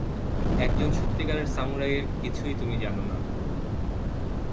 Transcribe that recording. একজন সত্যিকারের সামুরাই এর কিছুই তুমি জানো না।